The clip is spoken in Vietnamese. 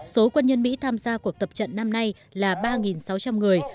số quân nhân mỹ tham gia cuộc tập trận năm nay là ba sáu trăm linh người